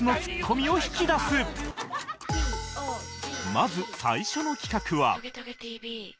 まず最初の企画は